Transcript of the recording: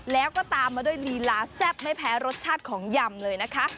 แล้วก็ตามมาด้วยลีลาแซ่บไม่แพ้รสชาติของยำเลยนะคะ